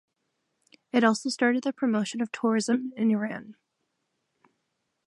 It also started the promotion of tourism in Iran.